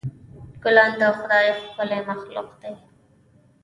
ګلان د خدای ښکلی مخلوق دی.